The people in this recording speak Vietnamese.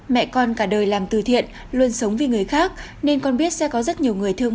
mẹ con cả đời làm từ thiện luôn sống vì người khác nên con biết sẽ có rất nhiều người thương